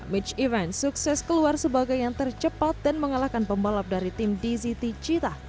mitch event sukses keluar sebagai yang tercepat dan mengalahkan pembalap dari tim dct cita